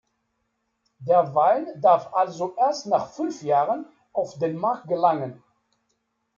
Der Wein darf also erst nach fünf Jahren auf den Markt gelangen.